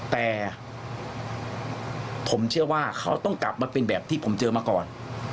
แต่ผมเชื่อว่าเขาต้องกลับมาเป็นแบบที่ผมเจอมาก่อน